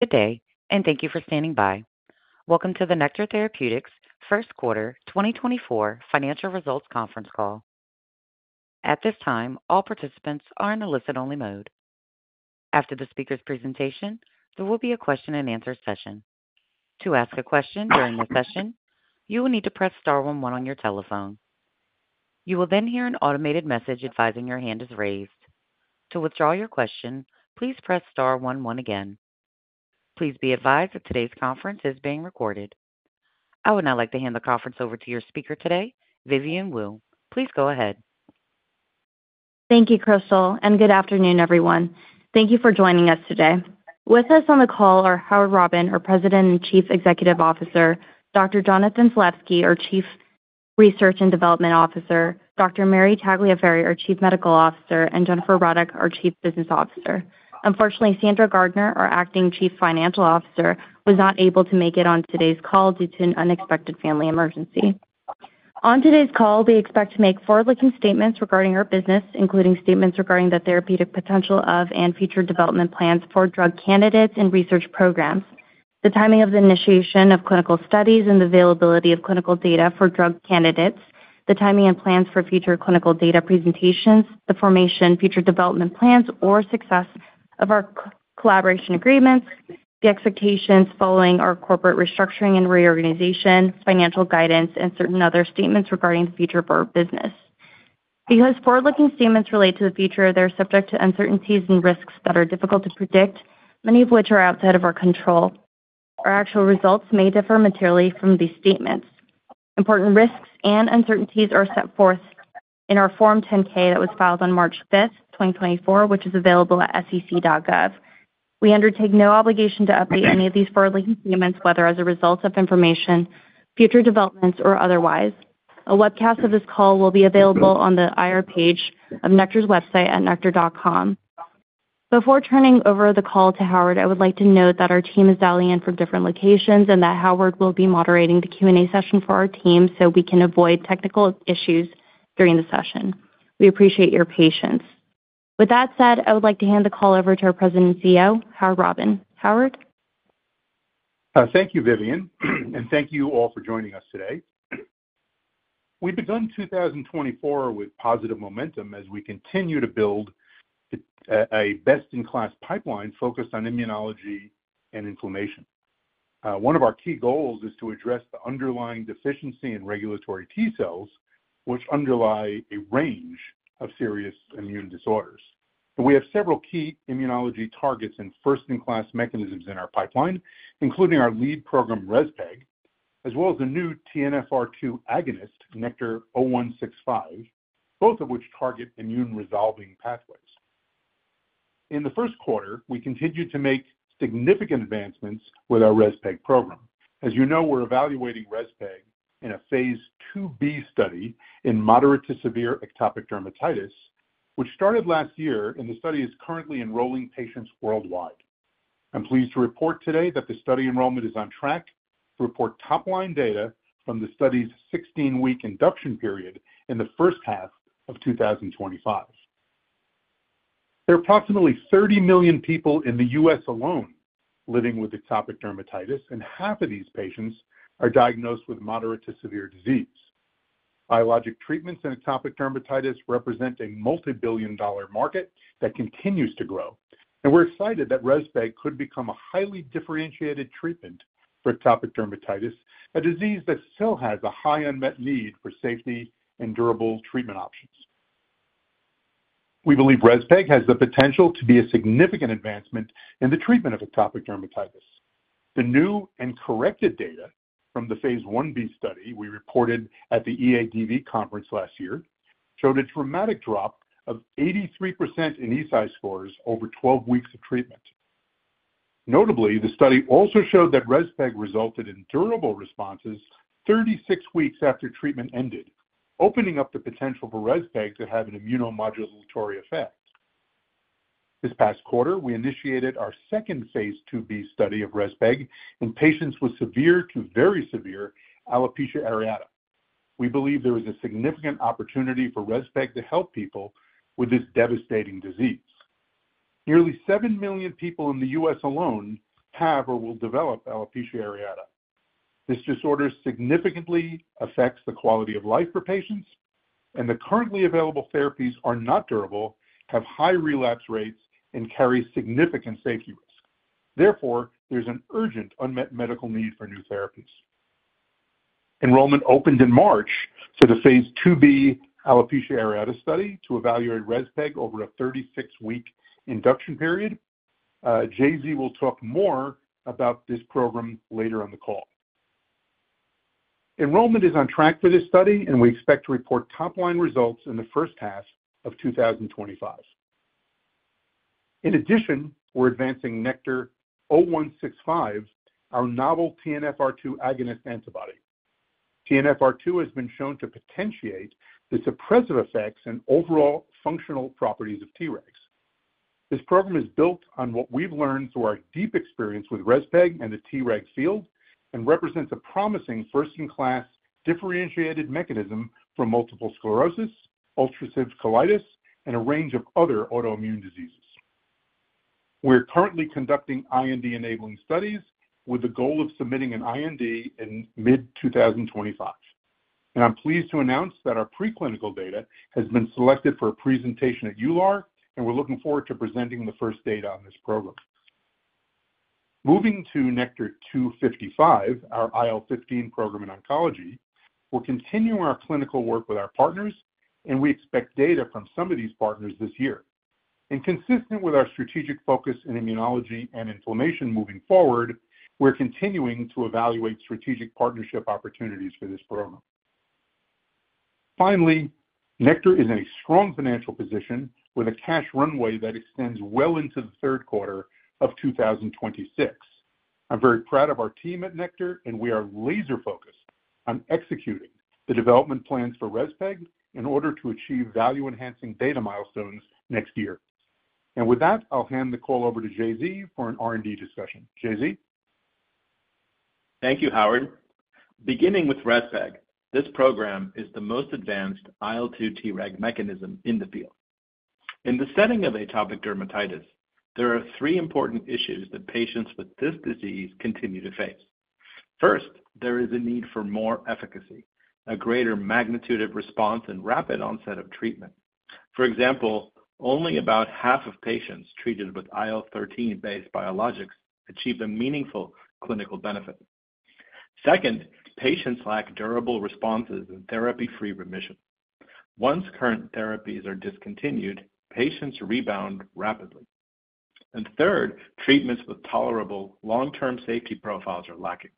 Good day, and thank you for standing by. Welcome to the Nektar Therapeutics first quarter 2024 financial results conference call. At this time, all participants are in listen-only mode. After the speaker's presentation, there will be a question-and-answer session. To ask a question during the session, you will need to press star one one on your telephone. You will then hear an automated message advising your hand is raised. To withdraw your question, please press star one one again. Please be advised that today's conference is being recorded. I would now like to hand the conference over to your speaker today, Vivian Wu. Please go ahead. Thank you, Crystal, and good afternoon, everyone. Thank you for joining us today. With us on the call are Howard Robin, our President and Chief Executive Officer, Dr. Jonathan Zalevsky, our Chief Research and Development Officer, Dr. Mary Tagliaferri, our Chief Medical Officer, and Jennifer Ruddock, our Chief Business Officer. Unfortunately, Sandra Gardiner, our Acting Chief Financial Officer, was not able to make it on today's call due to an unexpected family emergency. On today's call, we expect to make forward-looking statements regarding our business, including statements regarding the therapeutic potential of and future development plans for drug candidates and research programs, the timing of the initiation of clinical studies, and the availability of clinical data for drug candidates; the timing and plans for future clinical data presentations; the formation, future development plans, or success of our collaboration agreements; the expectations following our corporate restructuring and reorganization; financial guidance; and certain other statements regarding the future of our business. Because forward-looking statements relate to the future, they are subject to uncertainties and risks that are difficult to predict, many of which are outside of our control. Our actual results may differ materially from these statements. Important risks and uncertainties are set forth in our Form 10-K that was filed on March 5, 2024, which is available at sec.gov. We undertake no obligation to update any of these forward-looking statements, whether as a result of information, future developments, or otherwise. A webcast of this call will be available on the IR page of Nektar's website at nektar.com. Before turning over the call to Howard, I would like to note that our team is dialing in from different locations and that Howard will be moderating the Q&A session for our team so we can avoid technical issues during the session. We appreciate your patience. With that said, I would like to hand the call over to our President and CEO, Howard Robin. Howard? Thank you, Vivian, and thank you all for joining us today. We've begun 2024 with positive momentum as we continue to build a best-in-class pipeline focused on immunology and inflammation. One of our key goals is to address the underlying deficiency in regulatory T cells, which underlie a range of serious immune disorders. We have several key immunology targets and first-in-class mechanisms in our pipeline, including our lead program, REZPEG, as well as the new TNFR2 agonist, NKTR-0165, both of which target immune-resolving pathways. In the first quarter, we continued to make significant advancements with our REZPEG program. As you know, we're evaluating REZPEG in a phase 2b study in moderate to severe atopic dermatitis, which started last year, and the study is currently enrolling patients worldwide. I'm pleased to report today that the study enrollment is on track to report top-line data from the study's 16-week induction period in the first half of 2025. There are approximately 30 million people in the U.S. alone living with atopic dermatitis, and half of these patients are diagnosed with moderate to severe disease. Biologic treatments in atopic dermatitis represent a multibillion-dollar market that continues to grow, and we're excited that REZPEG could become a highly differentiated treatment for atopic dermatitis, a disease that still has a high unmet need for safety and durable treatment options. We believe REZPEG has the potential to be a significant advancement in the treatment of atopic dermatitis. The new and corrected data from the phase 1b study we reported at the EADV conference last year showed a dramatic drop of 83% in EASI scores over 12 weeks of treatment. Notably, the study also showed that REZPEG resulted in durable responses 36 weeks after treatment ended, opening up the potential for REZPEG to have an immunomodulatory effect. This past quarter, we initiated our second phase 2B study of REZPEG in patients with severe to very severe alopecia areata. We believe there is a significant opportunity for REZPEG to help people with this devastating disease. Nearly seven million people in the U.S. alone have or will develop alopecia areata. This disorder significantly affects the quality of life for patients, and the currently available therapies are not durable, have high relapse rates, and carry significant safety risks. Therefore, there's an urgent unmet medical need for new therapies. Enrollment opened in March for the phase 2B alopecia areata study to evaluate REZPEG over a 36-week induction period. Jonathan Zalevsky will talk more about this program later on the call. Enrollment is on track for this study, and we expect to report top-line results in the first half of 2025. In addition, we're advancing NKTR-0165, our novel TNFR2 agonist antibody. TNFR2 has been shown to potentiate the suppressive effects and overall functional properties of Tregs. This program is built on what we've learned through our deep experience with REZPEG and the Tregs field and represents a promising first-in-class differentiated mechanism for multiple sclerosis, ulcerative colitis, and a range of other autoimmune diseases. We're currently conducting IND-enabling studies with the goal of submitting an IND in mid-2025. I'm pleased to announce that our preclinical data has been selected for a presentation at EULAR, and we're looking forward to presenting the first data on this program. Moving to NKTR-255, our IL-15 program in oncology, we're continuing our clinical work with our partners, and we expect data from some of these partners this year. Consistent with our strategic focus in immunology and inflammation moving forward, we're continuing to evaluate strategic partnership opportunities for this program. Finally, Nektar is in a strong financial position with a cash runway that extends well into the third quarter of 2026. I'm very proud of our team at Nektar, and we are laser-focused on executing the development plans for REZPEG in order to achieve value-enhancing data milestones next year. With that, I'll hand the call over to J.Z. for an R&D discussion. J.Z.? Thank you, Howard. Beginning with REZPEG, this program is the most advanced IL-2 Treg mechanism in the field. In the setting of atopic dermatitis, there are three important issues that patients with this disease continue to face. First, there is a need for more efficacy, a greater magnitude of response, and rapid onset of treatment. For example, only about half of patients treated with IL-13-based biologics achieve a meaningful clinical benefit. Second, patients lack durable responses and therapy-free remission. Once current therapies are discontinued, patients rebound rapidly. Third, treatments with tolerable long-term safety profiles are lacking.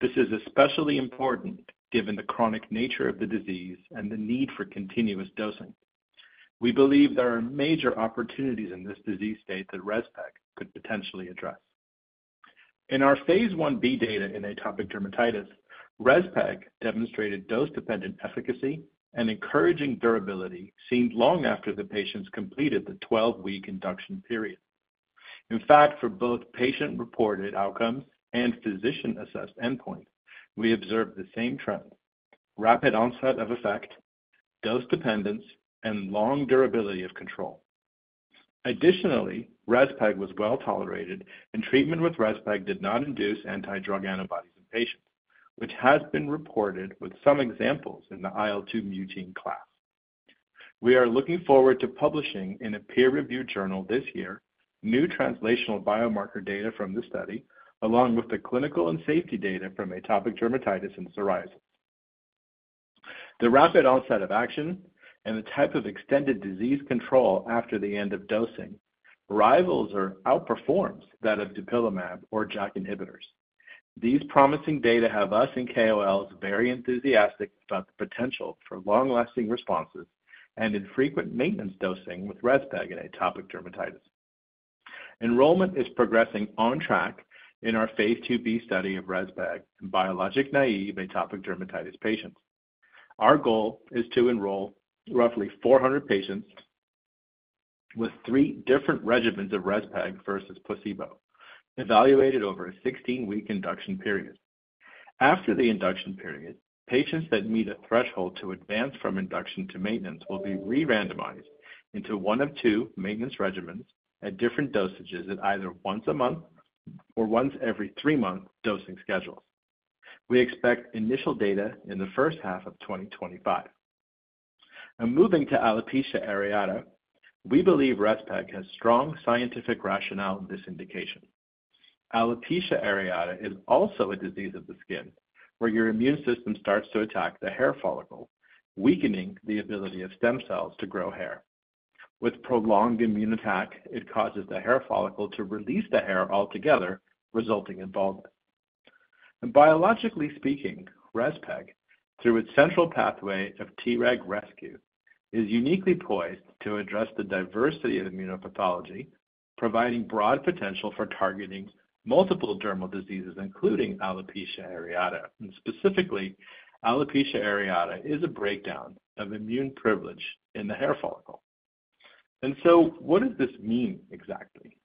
This is especially important given the chronic nature of the disease and the need for continuous dosing. We believe there are major opportunities in this disease state that REZPEG could potentially address. In our phase 1b data in atopic dermatitis, REZPEG demonstrated dose-dependent efficacy and encouraging durability seen long after the patients completed the 12-week induction period. In fact, for both patient-reported outcomes and physician-assessed endpoints, we observed the same trend: rapid onset of effect, dose dependence, and long durability of control. Additionally, REZPEG was well tolerated, and treatment with REZPEG did not induce antidrug antibodies in patients, which has been reported with some examples in the IL-2 mutein class. We are looking forward to publishing in a peer-reviewed journal this year new translational biomarker data from the study, along with the clinical and safety data from atopic dermatitis and psoriasis. The rapid onset of action and the type of extended disease control after the end of dosing rivals or outperforms that of dupilumab or JAK inhibitors. These promising data have us in KOLs very enthusiastic about the potential for long-lasting responses and infrequent maintenance dosing with REZPEG in atopic dermatitis. Enrollment is progressing on track in our phase 2b study of REZPEG in biologic-naïve atopic dermatitis patients. Our goal is to enroll roughly 400 patients with three different regimens of REZPEG versus placebo, evaluated over a 16-week induction period. After the induction period, patients that meet a threshold to advance from induction to maintenance will be re-randomized into one of two maintenance regimens at different dosages at either once a month or once every three months dosing schedules. We expect initial data in the first half of 2025. Now, moving to alopecia areata, we believe REZPEG has strong scientific rationale in this indication. Alopecia areata is also a disease of the skin where your immune system starts to attack the hair follicles, weakening the ability of stem cells to grow hair. With prolonged immune attack, it causes the hair follicle to release the hair altogether, resulting in baldness. Biologically speaking, REZPEG, through its central pathway of Treg rescue, is uniquely poised to address the diversity of immunopathology, providing broad potential for targeting multiple dermal diseases, including alopecia areata. Specifically, alopecia areata is a breakdown of immune privilege in the hair follicle. So what does this mean, exactly?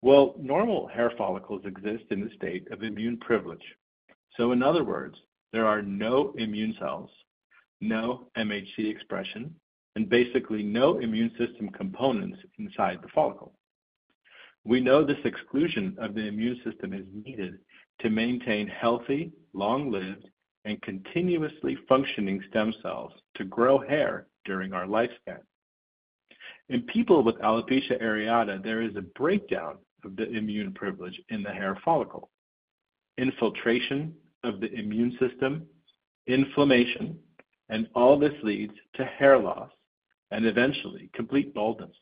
Well, normal hair follicles exist in the state of immune privilege. So in other words, there are no immune cells, no MHC expression, and basically no immune system components inside the follicle. We know this exclusion of the immune system is needed to maintain healthy, long-lived, and continuously functioning stem cells to grow hair during our lifespan. In people with alopecia areata, there is a breakdown of the immune privilege in the hair follicle: infiltration of the immune system, inflammation, and all this leads to hair loss and eventually complete baldness.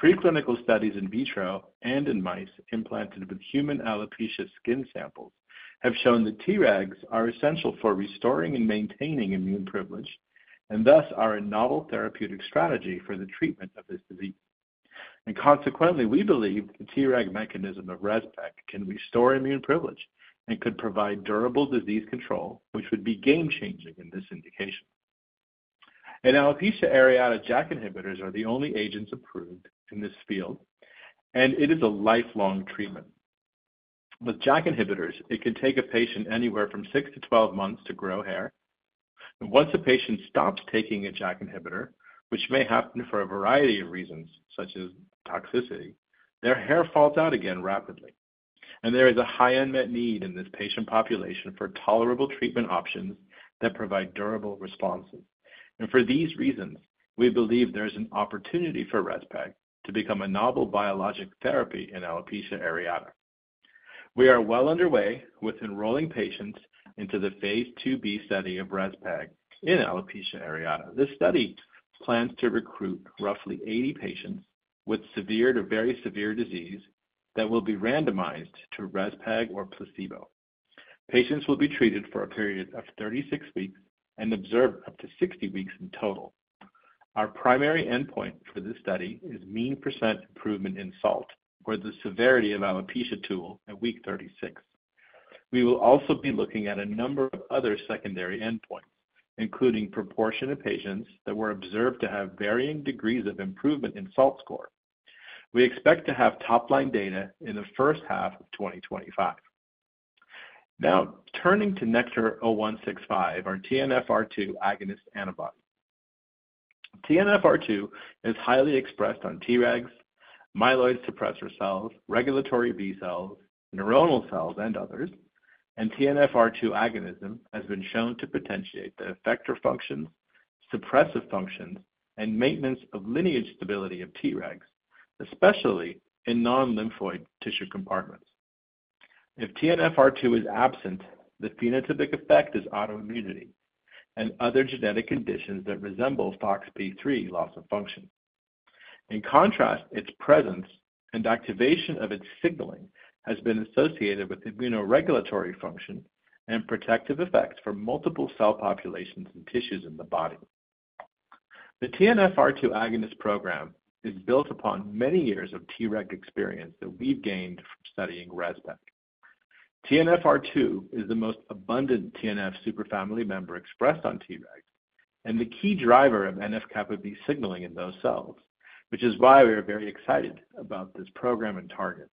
Preclinical studies in vitro and in mice implanted with human alopecia skin samples have shown that Tregs are essential for restoring and maintaining immune privilege and thus are a novel therapeutic strategy for the treatment of this disease. Consequently, we believe the Tregs mechanism of REZPEG can restore immune privilege and could provide durable disease control, which would be game-changing in this indication. Alopecia areata JAK inhibitors are the only agents approved in this field, and it is a lifelong treatment. With JAK inhibitors, it can take a patient anywhere from 6-12 months to grow hair. Once a patient stops taking a JAK inhibitor, which may happen for a variety of reasons such as toxicity, their hair falls out again rapidly. There is a high unmet need in this patient population for tolerable treatment options that provide durable responses. For these reasons, we believe there's an opportunity for REZPEG to become a novel biologic therapy in alopecia areata. We are well underway with enrolling patients into the phase 2b study of REZPEG in alopecia areata. This study plans to recruit roughly 80 patients with severe to very severe disease that will be randomized to REZPEG or placebo. Patients will be treated for a period of 36 weeks and observed up to 60 weeks in total. Our primary endpoint for this study is mean % improvement in SALT, or the Severity of Alopecia Tool, at week 36. We will also be looking at a number of other secondary endpoints, including proportion of patients that were observed to have varying degrees of improvement in SALT score. We expect to have top-line data in the first half of 2025. Now, turning to NKTR-0165, our TNFR2 agonist antibody. TNFR2 is highly expressed on Tregs, myeloid suppressor cells, regulatory B cells, neuronal cells, and others, and TNFR2 agonism has been shown to potentiate the effector functions, suppressive functions, and maintenance of lineage stability of Tregs, especially in non-lymphoid tissue compartments. If TNFR2 is absent, the phenotypic effect is autoimmunity and other genetic conditions that resemble FOXP3 loss of function. In contrast, its presence and activation of its signaling has been associated with immunoregulatory function and protective effects for multiple cell populations and tissues in the body. The TNFR2 agonist program is built upon many years of Tregs experience that we've gained from studying REZPEG. TNFR2 is the most abundant TNF superfamily member expressed on Tregs and the key driver of NF-κB signaling in those cells, which is why we are very excited about this program and target.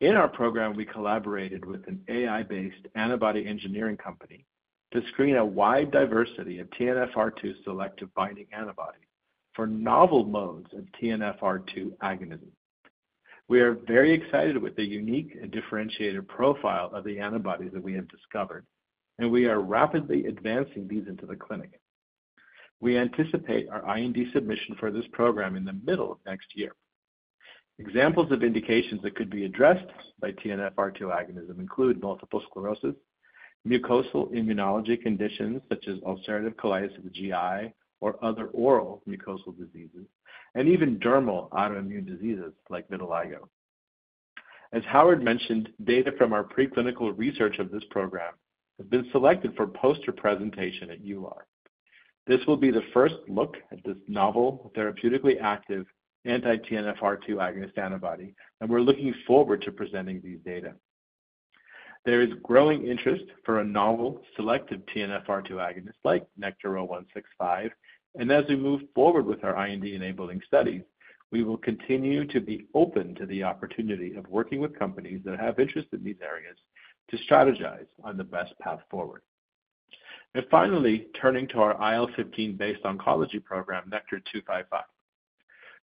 In our program, we collaborated with an AI-based antibody engineering company to screen a wide diversity of TNFR2 selective binding antibodies for novel modes of TNFR2 agonism. We are very excited with the unique and differentiated profile of the antibodies that we have discovered, and we are rapidly advancing these into the clinic. We anticipate our IND submission for this program in the middle of next year. Examples of indications that could be addressed by TNFR2 agonism include multiple sclerosis, mucosal immunology conditions such as ulcerative colitis of the GI or other oral mucosal diseases, and even dermal autoimmune diseases like vitiligo. As Howard mentioned, data from our preclinical research of this program has been selected for poster presentation at EULAR. This will be the first look at this novel, therapeutically active anti-TNFR2 agonist antibody, and we're looking forward to presenting these data. There is growing interest for a novel, selective TNFR2 agonist like NKTR-0165, and as we move forward with our IND-enabling studies, we will continue to be open to the opportunity of working with companies that have interest in these areas to strategize on the best path forward. And finally, turning to our IL-15-based oncology program, NKTR-255.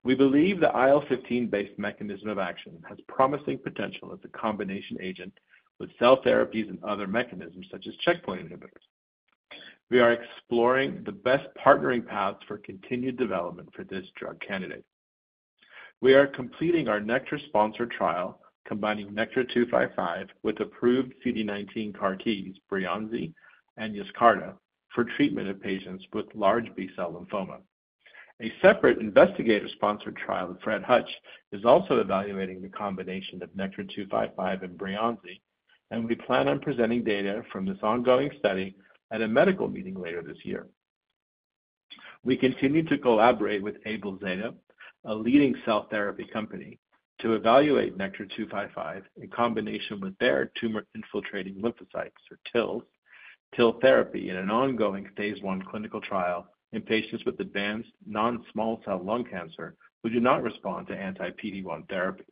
We believe the IL-15-based mechanism of action has promising potential as a combination agent with cell therapies and other mechanisms such as checkpoint inhibitors. We are exploring the best partnering paths for continued development for this drug candidate. We are completing our Nektar-sponsored trial combining NKTR-255 with approved CD19 CAR-Ts, BREYANZI and YESCARTA, for treatment of patients with large B-cell lymphoma. A separate investigator-sponsored trial of Fred Hutch is also evaluating the combination of NKTR-255 and BREYANZI, and we plan on presenting data from this ongoing study at a medical meeting later this year. We continue to collaborate with AbelZeta, a leading cell therapy company, to evaluate NKTR-255 in combination with their tumor-infiltrating lymphocytes, or TILs, TIL therapy in an ongoing phase 1 clinical trial in patients with advanced non-small cell lung cancer who do not respond to anti-PD-1 therapy.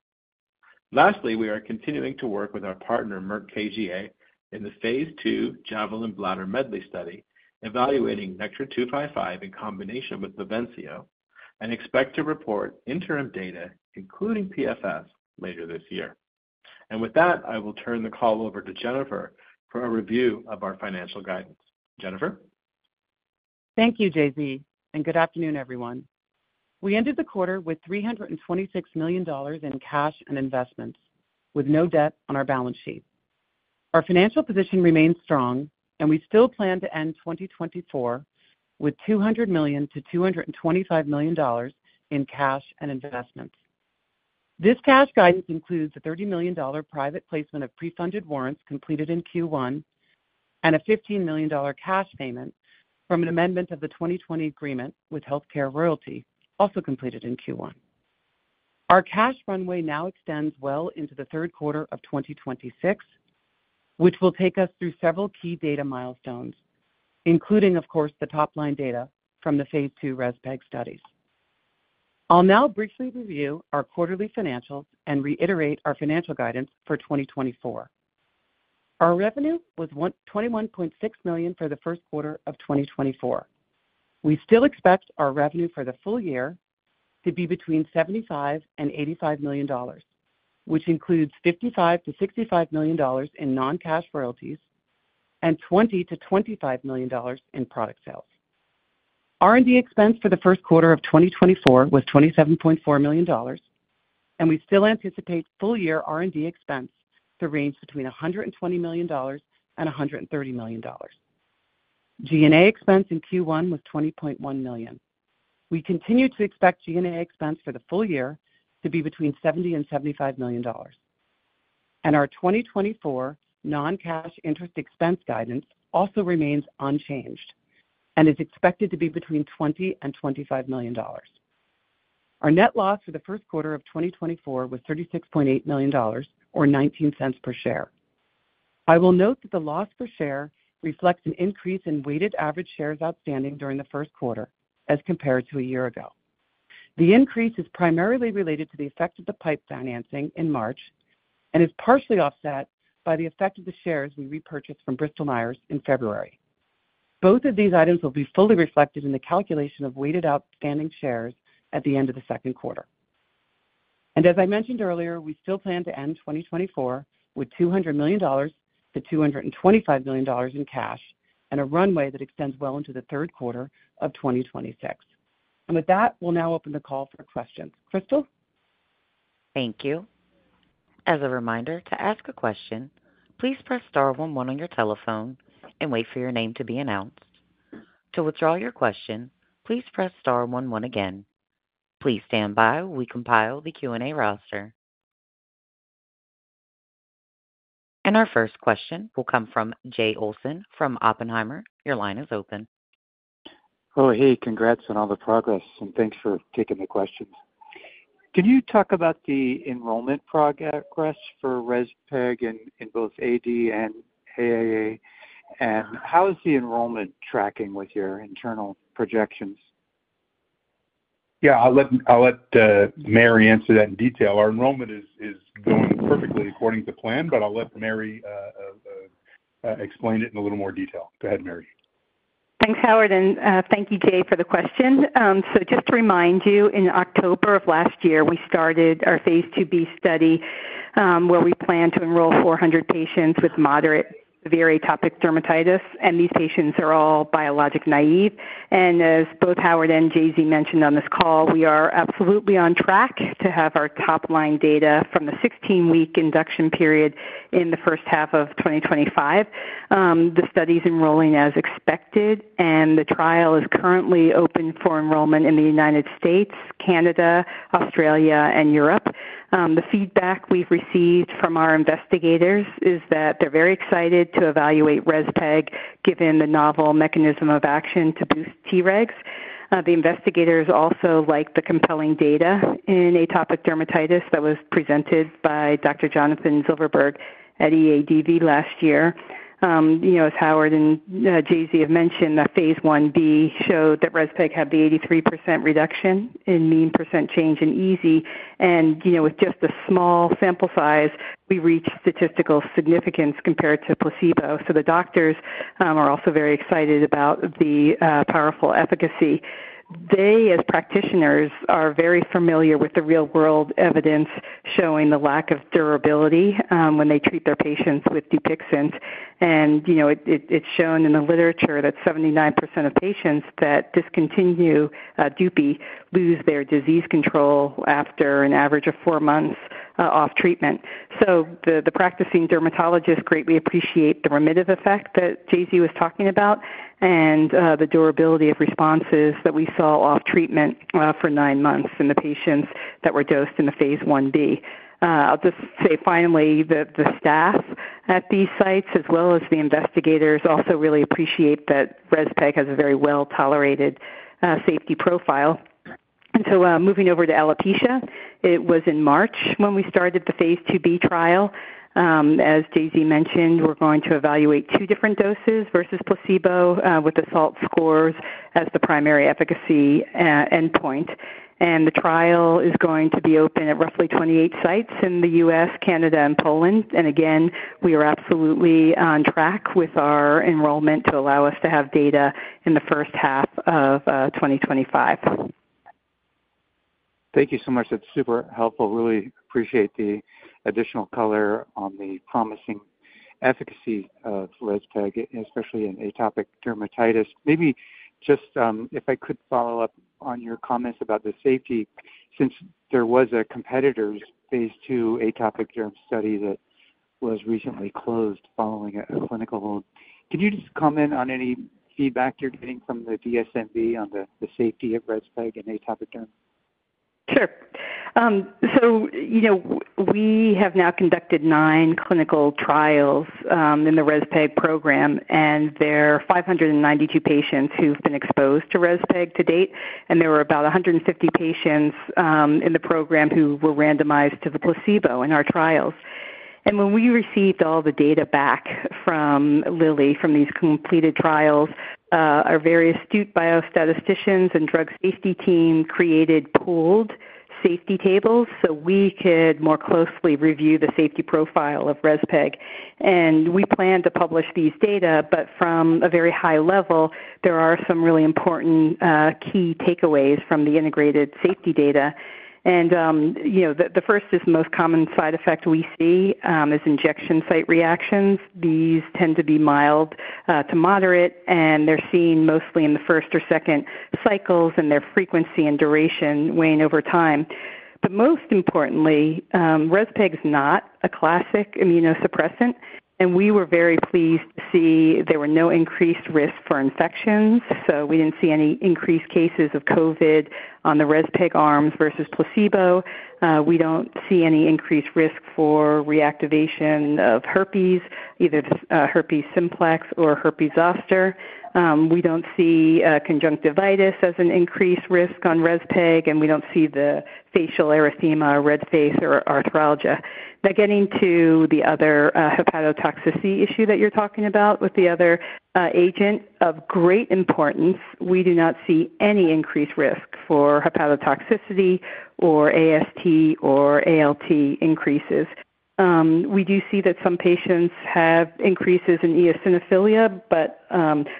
Lastly, we are continuing to work with our partner, Merck KGaA, in the phase 2 JAVELIN Bladder Medley study, evaluating NKTR-255 in combination with BAVENCIO, and expect to report interim data, including PFS, later this year. With that, I will turn the call over to Jennifer for a review of our financial guidance. Jennifer? Thank you, Jay Olson, and good afternoon, everyone. We ended the quarter with $326 million in cash and investments, with no debt on our balance sheet. Our financial position remains strong, and we still plan to end 2024 with $200 million-$225 million in cash and investments. This cash guidance includes a $30 million private placement of pre-funded warrants completed in Q1 and a $15 million cash payment from an amendment of the 2020 agreement with HealthCare Royalty, also completed in Q1. Our cash runway now extends well into the third quarter of 2026, which will take us through several key data milestones, including, of course, the top-line data from the Phase 2 REZPEG studies. I'll now briefly review our quarterly financials and reiterate our financial guidance for 2024. Our revenue was $21.6 million for the first quarter of 2024. We still expect our revenue for the full year to be $75 million-$85 million, which includes $55 million-$65 million in non-cash royalties and $20 million-$25 million in product sales. R&D expense for the first quarter of 2024 was $27.4 million, and we still anticipate full-year R&D expense to range between $120 million-$130 million. G&A expense in Q1 was $20.1 million. We continue to expect G&A expense for the full year to be $70 million-$75 million. Our 2024 non-cash interest expense guidance also remains unchanged and is expected to be $20 million-$25 million. Our net loss for the first quarter of 2024 was $36.8 million, or $0.19 per share. I will note that the loss per share reflects an increase in weighted average shares outstanding during the first quarter as compared to a year ago. The increase is primarily related to the effect of the PIPE financing in March and is partially offset by the effect of the shares we repurchased from Bristol-Myers in February. Both of these items will be fully reflected in the calculation of weighted outstanding shares at the end of the second quarter. As I mentioned earlier, we still plan to end 2024 with $200 million-$225 million in cash and a runway that extends well into the third quarter of 2026. With that, we'll now open the call for questions. Crystal? Thank you. As a reminder, to ask a question, please press star one one on your telephone and wait for your name to be announced. To withdraw your question, please press star one one again. Please stand by while we compile the Q&A roster. Our first question will come from Jay Olson from Oppenheimer. Your line is open. Well, hey, congrats on all the progress, and thanks for taking the questions. Can you talk about the enrollment progress for REZPEG in both AD and AAA, and how is the enrollment tracking with your internal projections? Yeah, I'll let Mary answer that in detail. Our enrollment is going perfectly according to plan, but I'll let Mary explain it in a little more detail. Go ahead, Mary. Thanks, Howard, and thank you, Jay, for the question. So just to remind you, in October of last year, we started our phase 2B study where we plan to enroll 400 patients with moderate to severe atopic dermatitis, and these patients are all biologic naive. As both Howard and Zalevsky mentioned on this call, we are absolutely on track to have our top-line data from the 16-week induction period in the first half of 2025. The study is enrolling as expected, and the trial is currently open for enrollment in the United States, Canada, Australia, and Europe. The feedback we've received from our investigators is that they're very excited to evaluate REZPEG given the novel mechanism of action to boost Tregs. The investigators also liked the compelling data in atopic dermatitis that was presented by Dr. Jonathan Zalevsky at EADV last year. As Howard and Jay have mentioned, the phase 1b showed that REZPEG had the 83% reduction in mean percent change in EASI, and with just a small sample size, we reached statistical significance compared to placebo. So the doctors are also very excited about the powerful efficacy. They, as practitioners, are very familiar with the real-world evidence showing the lack of durability when they treat their patients with Dupixent. And it's shown in the literature that 79% of patients that discontinue Dupi lose their disease control after an average of four months off treatment. So the practicing dermatologists greatly appreciate the remittive effect that Jay was talking about and the durability of responses that we saw off treatment for nine months in the patients that were dosed in the phase 1b. I'll just say finally that the staff at these sites, as well as the investigators, also really appreciate that REZPEG has a very well-tolerated safety profile. So moving over to alopecia, it was in March when we started the phase 2b trial. As Jay Olson mentioned, we're going to evaluate two different doses versus placebo with the SALT scores as the primary efficacy endpoint. The trial is going to be open at roughly 28 sites in the U.S., Canada, and Poland. Again, we are absolutely on track with our enrollment to allow us to have data in the first half of 2025. Thank you so much. That's super helpful. Really appreciate the additional color on the promising efficacy of REZPEG, especially in atopic dermatitis. Maybe just if I could follow up on your comments about the safety, since there was a competitor's phase 2 atopic derm study that was recently closed following a clinical hold, can you just comment on any feedback you're getting from the DSM-B on the safety of REZPEG and atopic derm? Sure. So we have now conducted 9 clinical trials in the REZPEG program, and there are 592 patients who've been exposed to REZPEG to date. There were about 150 patients in the program who were randomized to the placebo in our trials. When we received all the data back from Lilly from these completed trials, our various Stuart biostatisticians and drug safety team created pooled safety tables so we could more closely review the safety profile of REZPEG. We plan to publish these data, but from a very high level, there are some really important key takeaways from the integrated safety data. The first is the most common side effect we see is injection site reactions. These tend to be mild to moderate, and they're seen mostly in the first or second cycles, and their frequency and duration wane over time. But most importantly, REZPEG is not a classic immunosuppressant, and we were very pleased to see there were no increased risks for infections. So we didn't see any increased cases of COVID on the REZPEG arms versus placebo. We don't see any increased risk for reactivation of herpes, either herpes simplex or herpes zoster. We don't see conjunctivitis as an increased risk on REZPEG, and we don't see the facial erythema, red face, or arthralgia. Now, getting to the other hepatotoxicity issue that you're talking about with the other agent of great importance, we do not see any increased risk for hepatotoxicity or AST or ALT increases. We do see that some patients have increases in eosinophilia, but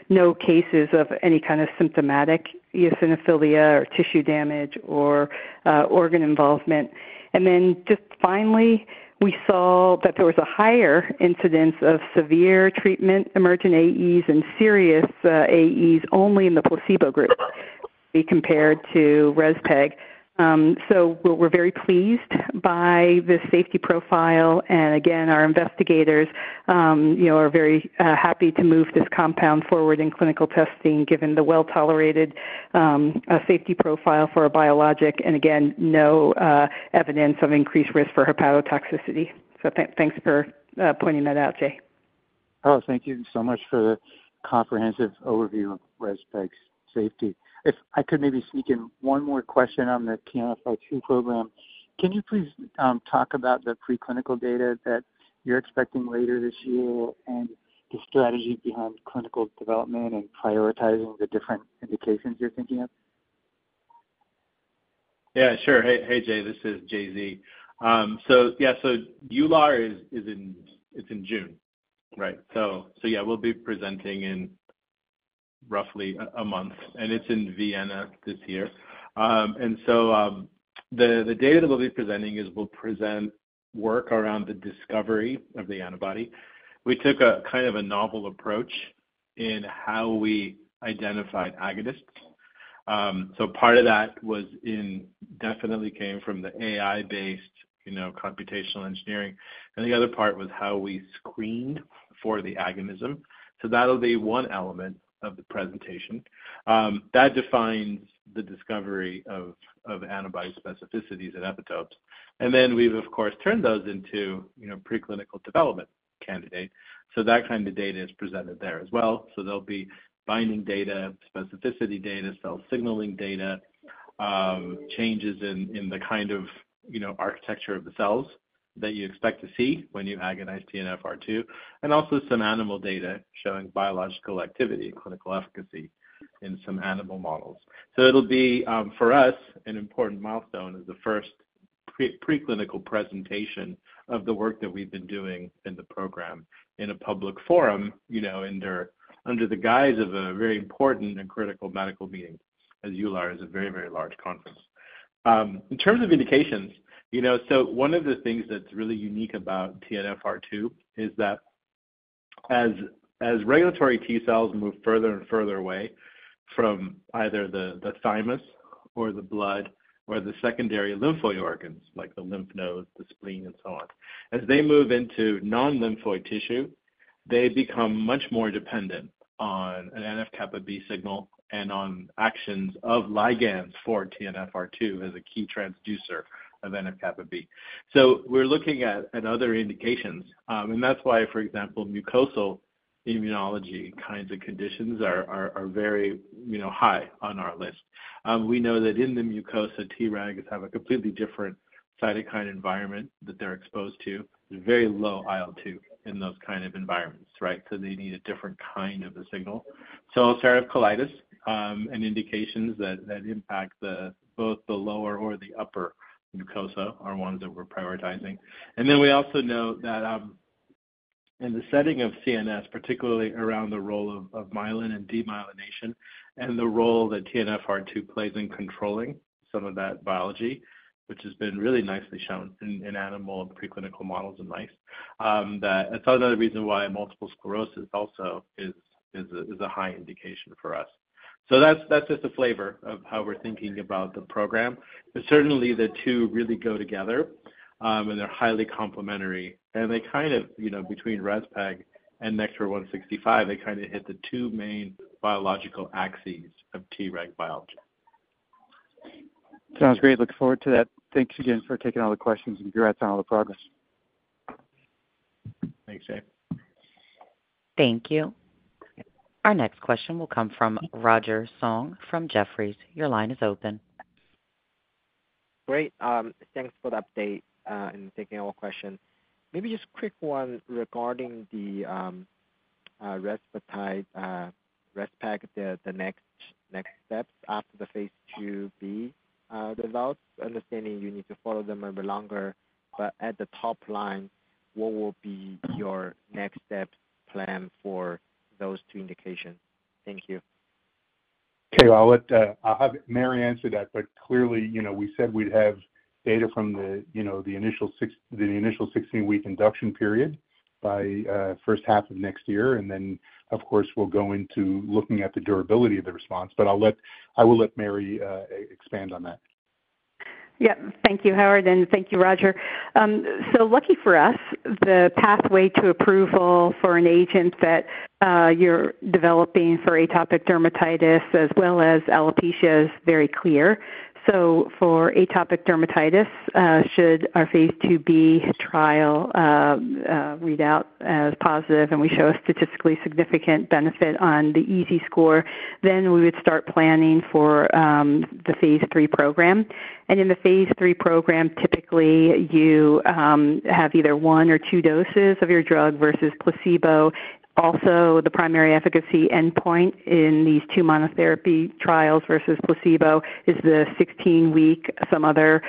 no cases of any kind of symptomatic eosinophilia or tissue damage or organ involvement. Then just finally, we saw that there was a higher incidence of severe treatment emergent AEs and serious AEs only in the placebo group when we compared to REZPEG. We're very pleased by the safety profile, and again, our investigators are very happy to move this compound forward in clinical testing given the well-tolerated safety profile for a biologic and, again, no evidence of increased risk for hepatotoxicity. Thanks for pointing that out, Jay. Oh, thank you so much for the comprehensive overview of REZPEG's safety. If I could maybe sneak in one more question on the TNFR2 program, can you please talk about the preclinical data that you're expecting later this year and the strategy behind clinical development and prioritizing the different indications you're thinking of? Yeah, sure. Hey, Jay, this is J.Z. So yeah, so EULAR is in June, right? So yeah, we'll be presenting in roughly a month, and it's in Vienna this year. And so the data that we'll be presenting is we'll present work around the discovery of the antibody. We took a kind of a novel approach in how we identified agonists. So part of that definitely came from the AI-based computational engineering, and the other part was how we screened for the agonism. So that'll be one element of the presentation. That defines the discovery of antibody specificities and epitopes. And then we've, of course, turned those into preclinical development candidates. So that kind of data is presented there as well. So there'll be binding data, specificity data, cell signaling data, changes in the kind of architecture of the cells that you expect to see when you agonize TNFR2, and also some animal data showing biological activity and clinical efficacy in some animal models. So it'll be, for us, an important milestone is the first preclinical presentation of the work that we've been doing in the program in a public forum under the guise of a very important and critical medical meeting, as EULAR is a very, very large conference. In terms of indications, one of the things that's really unique about TNF2 is that as regulatory T cells move further and further away from either the thymus or the blood or the secondary lymphoid organs like the lymph nodes, the spleen, and so on, as they move into non-lymphoid tissue, they become much more dependent on an NF-κB signal and on actions of ligands for TNF2 as a key transducer of NF-κB. We're looking at other indications, and that's why, for example, mucosal immunology kinds of conditions are very high on our list. We know that in the mucosa, Tregs have a completely different cytokine environment that they're exposed to. There's very low IL-2 in those kind of environments, right? So they need a different kind of a signal. So ulcerative colitis and indications that impact both the lower or the upper mucosa are ones that we're prioritizing. And then we also know that in the setting of CNS, particularly around the role of myelin and demyelination and the role that TNFR2 plays in controlling some of that biology, which has been really nicely shown in animal preclinical models and mice, that that's another reason why multiple sclerosis also is a high indication for us. So that's just a flavor of how we're thinking about the program. But certainly, the two really go together, and they're highly complementary. And they kind of, between REZPEG and NKTR-0165, they kind of hit the two main biological axes of Treg biology. Sounds great. Look forward to that. Thanks again for taking all the questions and congrats on all the progress. Thanks, Jay. Thank you. Our next question will come from Roger Song from Jefferies. Your line is open. Great. Thanks for the update and taking all questions. Maybe just quick one regarding the REZPEG, the next steps after the phase 2b results, understanding you need to follow them a bit longer. But at the top line, what will be your next steps plan for those two indications? Thank you. Okay, well, I'll have Mary answer that. But clearly, we said we'd have data from the initial 16-week induction period by first half of next year, and then, of course, we'll go into looking at the durability of the response. But I will let Mary expand on that. Yep. Thank you, Howard, and thank you, Roger. So lucky for us, the pathway to approval for an agent that you're developing for atopic dermatitis as well as alopecia is very clear. So for atopic dermatitis, should our phase 2B trial read out as positive and we show a statistically significant benefit on the EASI score, then we would start planning for the phase 3 program. And in the phase 3 program, typically, you have either one or two doses of your drug versus placebo. Also, the primary efficacy endpoint in these two monotherapy trials versus placebo is the 16-week. Some other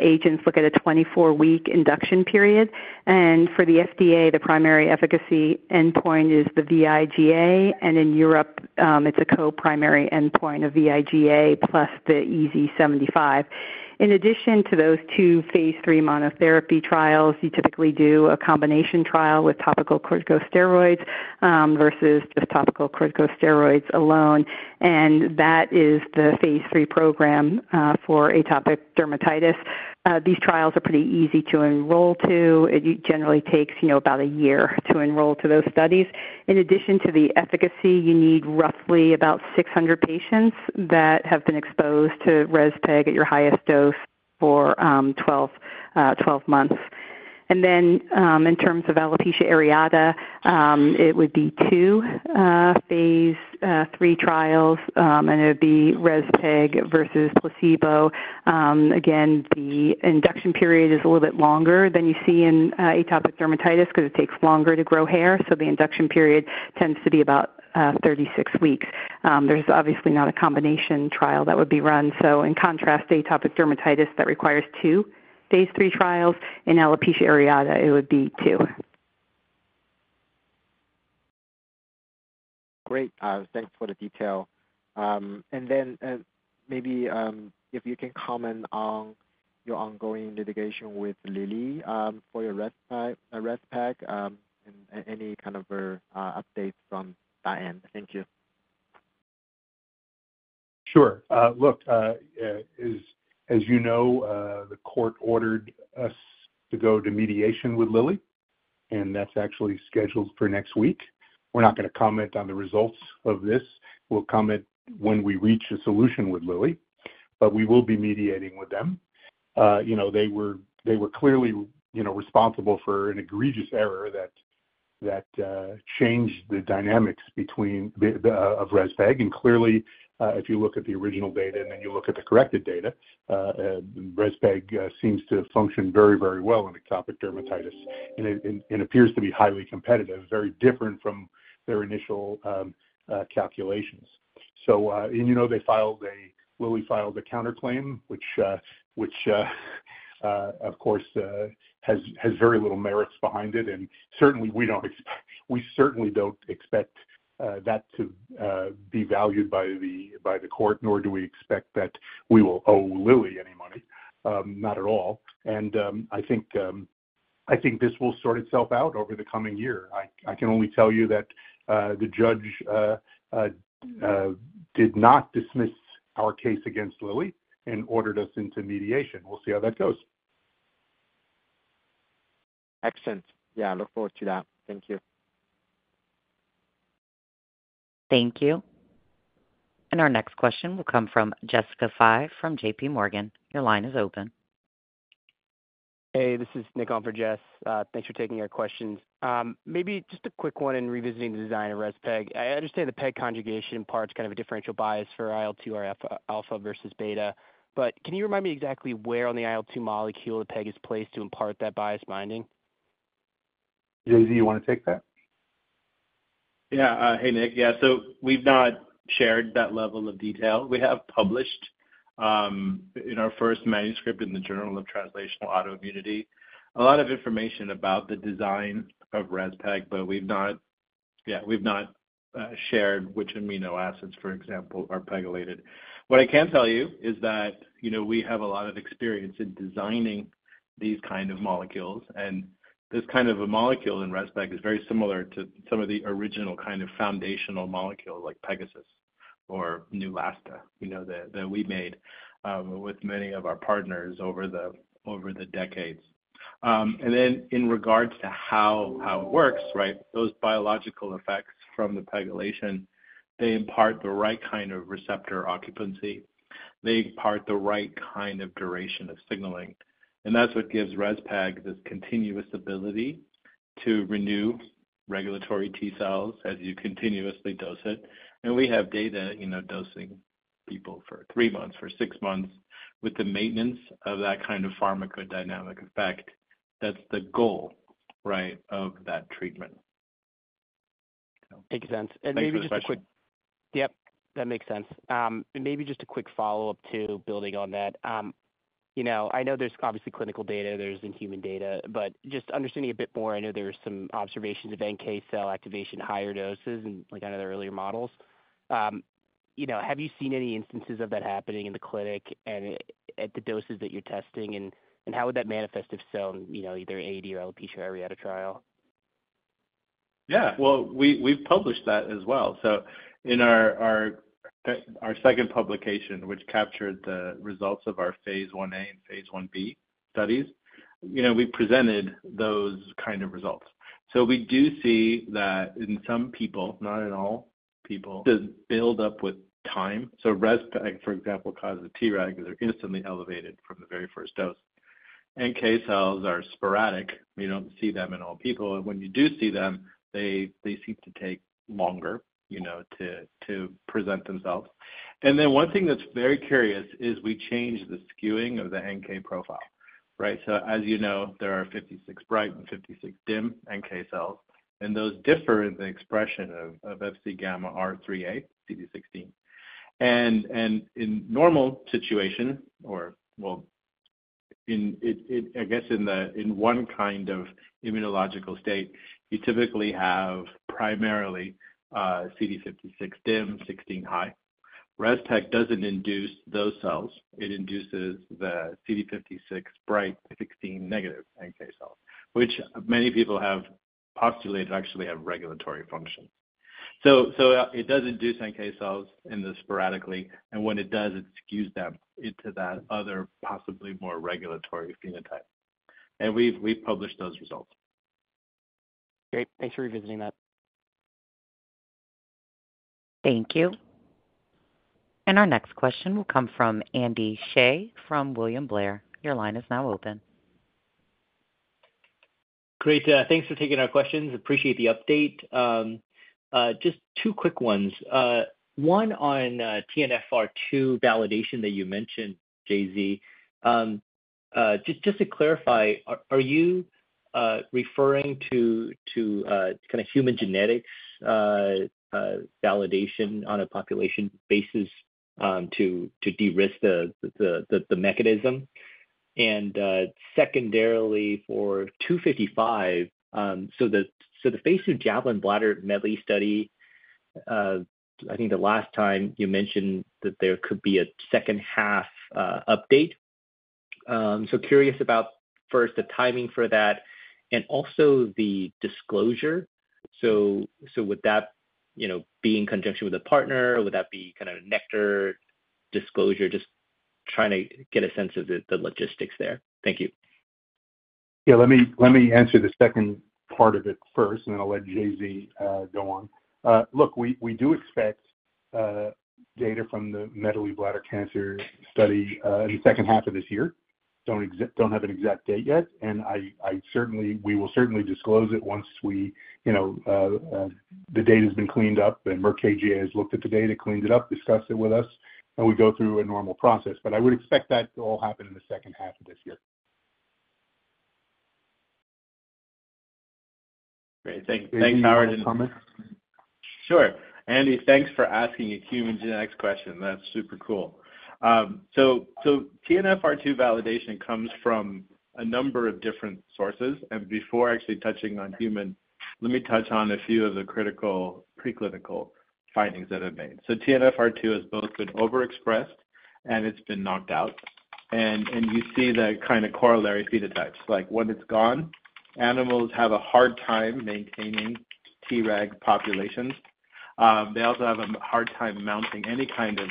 agents look at a 24-week induction period. And for the FDA, the primary efficacy endpoint is the VIGA, and in Europe, it's a co-primary endpoint of VIGA plus the EASI 75. In addition to those two phase 3 monotherapy trials, you typically do a combination trial with topical corticosteroids versus just topical corticosteroids alone, and that is the phase 3 program for atopic dermatitis. These trials are pretty easy to enroll to. It generally takes about a year to enroll to those studies. In addition to the efficacy, you need roughly about 600 patients that have been exposed to REZPEG at your highest dose for 12 months. And then in terms of alopecia areata, it would be two phase 3 trials, and it would be REZPEG versus placebo. Again, the induction period is a little bit longer than you see in atopic dermatitis because it takes longer to grow hair, so the induction period tends to be about 36 weeks. There's obviously not a combination trial that would be run. In contrast, atopic dermatitis that requires two phase 3 trials, in alopecia areata, it would be two. Great. Thanks for the detail. Then maybe if you can comment on your ongoing litigation with Eli Lilly for your REZPEG and any kind of updates from that end? Thank you. Sure. Look, as you know, the court ordered us to go to mediation with Lilly, and that's actually scheduled for next week. We're not going to comment on the results of this. We'll comment when we reach a solution with Lilly, but we will be mediating with them. They were clearly responsible for an egregious error that changed the dynamics of REZPEG. And clearly, if you look at the original data and then you look at the corrected data, REZPEG seems to function very, very well in atopic dermatitis, and it appears to be highly competitive, very different from their initial calculations. And they filed a counterclaim, which, of course, has very little merits behind it. And certainly, we don't expect that to be valued by the court, nor do we expect that we will owe Lilly any money. Not at all. I think this will sort itself out over the coming year. I can only tell you that the judge did not dismiss our case against Lilly and ordered us into mediation. We'll see how that goes. Excellent. Yeah, I look forward to that. Thank you. Thank you. Our next question will come from Jessica Fye from JP Morgan. Your line is open. Hey, this is Nick Alford, Jess. Thanks for taking our questions. Maybe just a quick one in revisiting the design of REZPEG. I understand the PEG conjugation imparts kind of a differential bias for IL-2 or alpha versus beta, but can you remind me exactly where on the IL-2 molecule the PEG is placed to impart that bias binding? Jay, you want to take that? Yeah. Hey, Nick. Yeah, so we've not shared that level of detail. We have published in our first manuscript in the Journal of Translational Autoimmunity a lot of information about the design of REZPEG, but yeah, we've not shared which amino acids, for example, are pegylated. What I can tell you is that we have a lot of experience in designing these kind of molecules, and this kind of a molecule in REZPEG is very similar to some of the original kind of foundational molecules like PEGASYS or Neulasta that we made with many of our partners over the decades. And then in regards to how it works, right, those biological effects from the pegylation, they impart the right kind of receptor occupancy. They impart the right kind of duration of signaling. And that's what gives REZPEG this continuous ability to renew regulatory T cells as you continuously dose it. We have data dosing people for 3 months, for 6 months, with the maintenance of that kind of pharmacodynamic effect. That's the goal, right, of that treatment. Makes sense. And maybe just a quick. That makes sense. Yep, that makes sense. Maybe just a quick follow-up too, building on that. I know there's obviously clinical data. There's in human data. But just understanding a bit more, I know there were some observations of NK cell activation higher doses in another earlier models. Have you seen any instances of that happening in the clinic and at the doses that you're testing, and how would that manifest if so, either AD or alopecia areata trial? Yeah. Well, we've published that as well. So in our second publication, which captured the results of our phase 1A and phase 1B studies, we presented those kind of results. So we do see that in some people, not in all people. To build up with time. So REZPEG, for example, causes TREGs that are instantly elevated from the very first dose. NK cells are sporadic. We don't see them in all people. And when you do see them, they seem to take longer to present themselves. And then one thing that's very curious is we changed the skewing of the NK profile, right? So as you know, there are CD56 bright and CD56 dim NK cells, and those differ in the expression of FcγR3a (CD16). And in normal situations, or well, I guess in one kind of immunological state, you typically have primarily CD56 dim, CD16 high. REZPEG doesn't induce those cells. It induces the CD56 bright, CD16 negative NK cells, which many people have postulated actually have regulatory functions. So it does induce NK cells sporadically, and when it does, it skews them into that other, possibly more regulatory phenotype. And we've published those results. Great. Thanks for revisiting that. Thank you. Our next question will come from Andy Hsieh from William Blair. Your line is now open. Great. Thanks for taking our questions. Appreciate the update. Just two quick ones. One on TNF-R2 validation that you mentioned, Zalevsky. Just to clarify, are you referring to kind of human genetics validation on a population basis to de-risk the mechanism? And secondarily, for 255, so the phase 2 JAVELIN Bladder Medley study, I think the last time you mentioned that there could be a second-half update. So curious about first the timing for that and also the disclosure. So would that be in conjunction with a partner? Would that be kind of Nektar disclosure? Just trying to get a sense of the logistics there. Thank you. Yeah, let me answer the second part of it first, and then I'll let JZ go on. Look, we do expect data from the Medley bladder cancer study in the second half of this year. Don't have an exact date yet. And we will certainly disclose it once the data has been cleaned up and Merck KGaA has looked at the data, cleaned it up, discussed it with us, and we go through a normal process. But I would expect that to all happen in the second half of this year. Great. Thanks, Howard. Any comments? Sure. Andy, thanks for asking a human genetics question. That's super cool. So TNF-R2 validation comes from a number of different sources. And before actually touching on human, let me touch on a few of the critical preclinical findings that have been made. So TNF-R2 has both been overexpressed, and it's been knocked out. And you see the kind of corollary phenotypes. When it's gone, animals have a hard time maintaining TREG populations. They also have a hard time mounting any kind of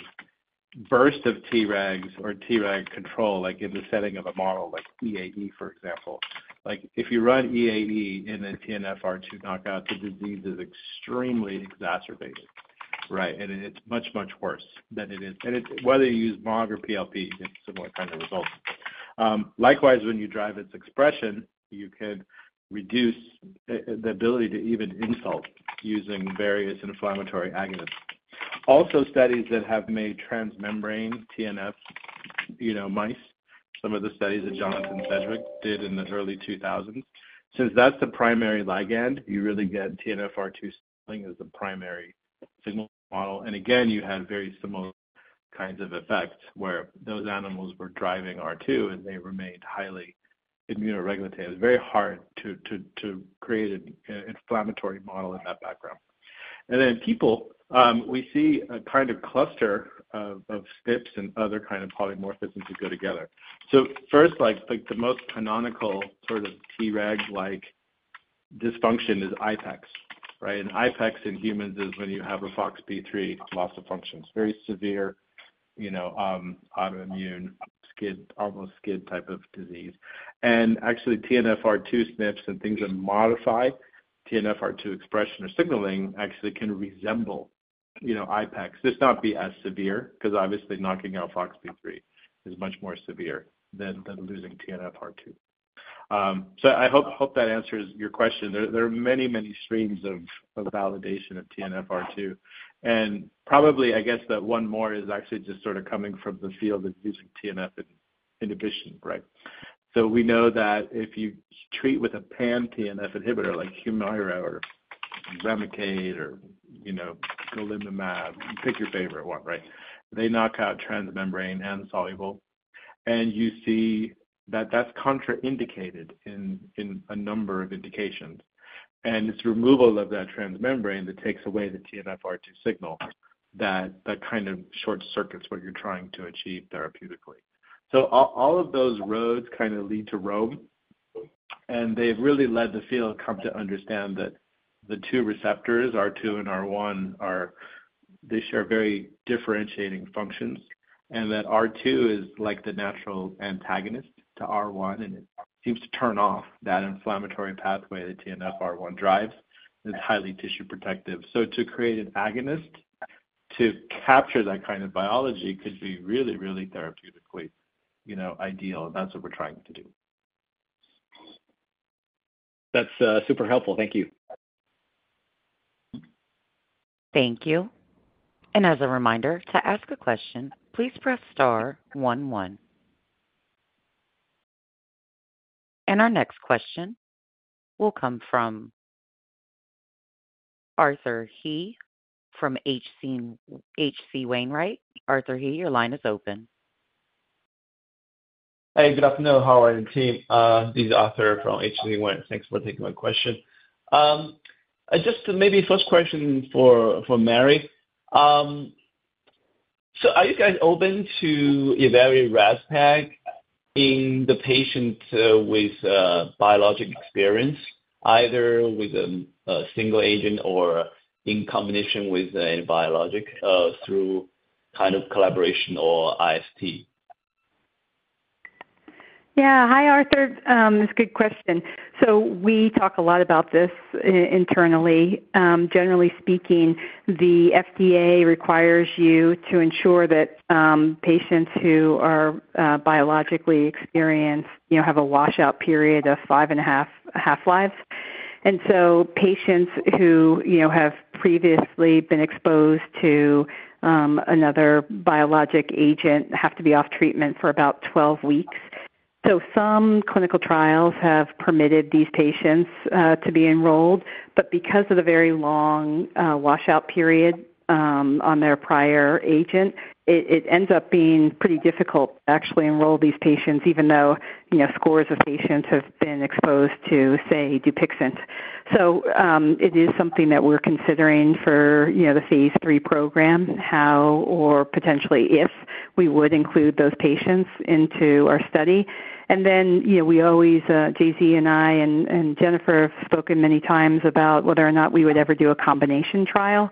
burst of TREGs or TREG control in the setting of a model like EAE, for example. If you run EAE in a TNF-R2 knockout, the disease is extremely exacerbated, right? And it's much, much worse than it is. And whether you use MOG or PLP, you get similar kind of results. Likewise, when you drive its expression, you can reduce the ability to even insult using various inflammatory agonists. Also, studies that have made transmembrane TNF mice, some of the studies that Jonathan Sedgwick did in the early 2000s. Since that's the primary ligand, you really get TNFR2 signaling as the primary signal model. And again, you had very similar kinds of effects where those animals were driving R2, and they remained highly immunoregulatory. It was very hard to create an inflammatory model in that background. And then people, we see a kind of cluster of SNPs and other kind of polymorphisms that go together. So first, the most canonical sort of TREG-like dysfunction is IPEX, right? And IPEX in humans is when you have a FOXP3 loss of functions, very severe autoimmune, almost SCID type of disease. Actually, TNF-R2 SNPs and things that modify TNF-R2 expression or signaling actually can resemble IPEX, just not be as severe because obviously, knocking out Fox P3 is much more severe than losing TNF-R2. So I hope that answers your question. There are many, many streams of validation of TNF-R2. And probably, I guess that one more is actually just sort of coming from the field of using TNF inhibition, right? So we know that if you treat with a pan-TNF inhibitor like Humira or Remicade or Golimumab, pick your favorite one, right? They knock out transmembrane and soluble, and you see that that's contraindicated in a number of indications. And it's removal of that transmembrane that takes away the TNF-R2 signal that kind of short-circuits what you're trying to achieve therapeutically. So all of those roads kind of lead to Rome, and they've really led the field to come to understand that the two receptors, R2 and R1, they share very differentiating functions, and that R2 is like the natural antagonist to R1, and it seems to turn off that inflammatory pathway that TNF-R1 drives. It's highly tissue protective. So to create an agonist to capture that kind of biology could be really, really therapeutically ideal, and that's what we're trying to do. That's super helpful. Thank you. Thank you. As a reminder, to ask a question, please press star one one. Our next question will come from Arthur He from HC Wainwright. Arthur He, your line is open. Hey, good afternoon. Howard and team. This is Arthur from H.C. Wainwright. Thanks for taking my question. Just maybe first question for Mary. So are you guys open to evaluating REZPEG in the patients with biologic experience, either with a single agent or in combination with a biologic through kind of collaboration or IST? Yeah. Hi, Arthur. That's a good question. So we talk a lot about this internally. Generally speaking, the FDA requires you to ensure that patients who are biologically experienced have a washout period of five and a half half-lives. And so patients who have previously been exposed to another biologic agent have to be off treatment for about 12 weeks. So some clinical trials have permitted these patients to be enrolled, but because of the very long washout period on their prior agent, it ends up being pretty difficult to actually enroll these patients, even though scores of patients have been exposed to, say, Dupixent. So it is something that we're considering for the phase 3 program, how or potentially if we would include those patients into our study. Then we always, J.Z. and I and Jennifer have spoken many times about whether or not we would ever do a combination trial,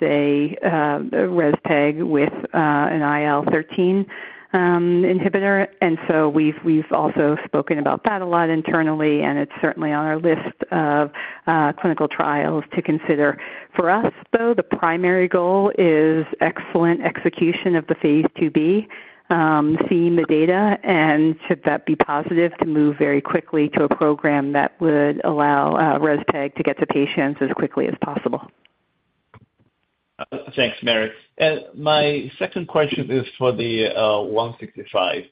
say, REZPEG with an IL-13 inhibitor. So we've also spoken about that a lot internally, and it's certainly on our list of clinical trials to consider. For us, though, the primary goal is excellent execution of the phase 2b, seeing the data, and should that be positive, to move very quickly to a program that would allow REZPEG to get to patients as quickly as possible. Thanks, Mary. My second question is for the 165.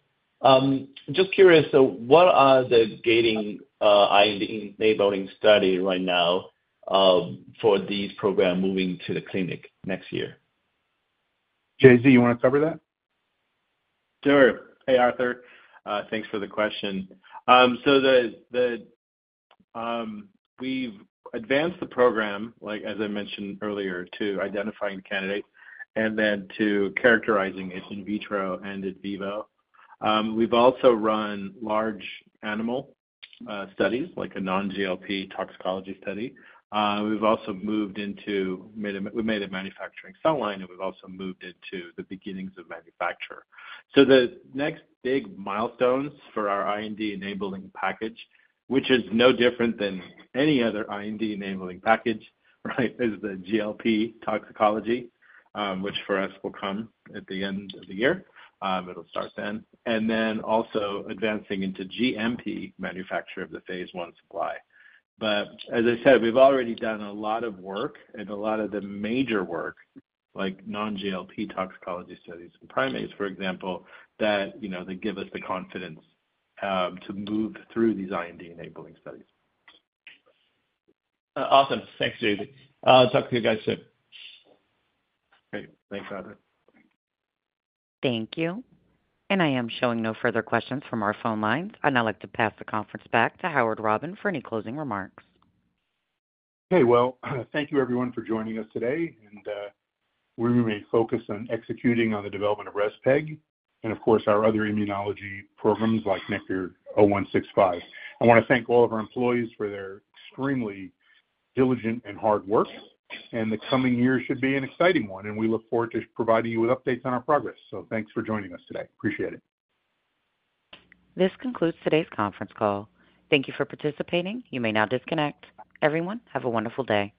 Just curious, what are the gating enabling studies right now for these programs moving to the clinic next year? J.Z., you want to cover that? Sure. Hey, Arthur. Thanks for the question. So we've advanced the program, as I mentioned earlier, to identifying candidates and then to characterizing it in vitro and in vivo. We've also run large animal studies, like a non-GLP toxicology study. We've also moved into, we made a manufacturing cell line, and we've also moved into the beginnings of manufacture. So the next big milestones for our IND-enabling package, which is no different than any other IND-enabling package, right, is the GLP toxicology, which for us will come at the end of the year. It'll start then. And then also advancing into GMP manufacture of the Phase 1 supply. But as I said, we've already done a lot of work and a lot of the major work, like non-GLP toxicology studies and primates, for example, that give us the confidence to move through these IND-enabling studies. Awesome. Thanks, Jay-Z. I'll talk to you guys soon. Great. Thanks, Arthur. Thank you. I am showing no further questions from our phone lines. I'd now like to pass the conference back to Howard Robin for any closing remarks. Okay. Well, thank you, everyone, for joining us today. We remain focused on executing on the development of REZPEG and, of course, our other immunology programs like NKTR-0165. I want to thank all of our employees for their extremely diligent and hard work. The coming year should be an exciting one, and we look forward to providing you with updates on our progress. Thanks for joining us today. Appreciate it. This concludes today's conference call. Thank you for participating. You may now disconnect. Everyone, have a wonderful day.